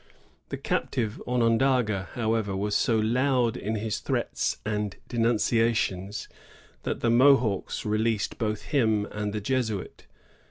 The captive Onondaga, however, was so loud in his threats and denunciations that the Mohawks released both him and the Jesuit.